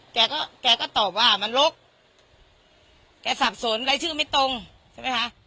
แกก็แกก็ตอบว่ามันลกแกสับสนรายชื่อไม่ตรงใช่ไหมคะ